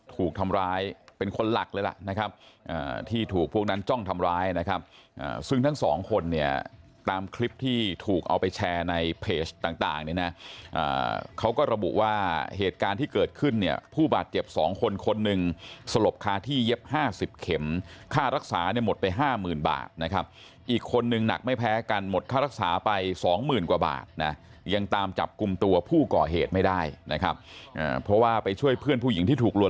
ถูกทำร้ายเป็นคนหลักเลยล่ะนะครับที่ถูกพวกนั้นจ้องทำร้ายนะครับซึ่งทั้งสองคนเนี่ยตามคลิปที่ถูกเอาไปแชร์ในเพจต่างเนี่ยนะเขาก็ระบุว่าเหตุการณ์ที่เกิดขึ้นเนี่ยผู้บาดเจ็บสองคนคนหนึ่งสลบคาที่เย็บห้าสิบเข็มค่ารักษาเนี่ยหมดไปห้าหมื่นบาทนะครับอีกคนหนึ่งหนักไม่แพ้กันหมดค่ารักษาไปสองหมื่นกว